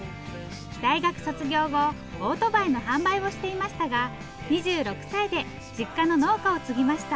大学卒業後オートバイの販売をしていましたが２６歳で実家の農家を継ぎました。